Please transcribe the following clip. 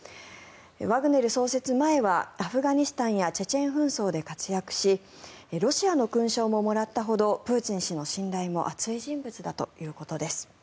ワグネル創設前はアフガニスタンやチェチェン戦争で活躍しロシアの勲章ももらったほどプーチン氏の信頼も厚い人物だということです。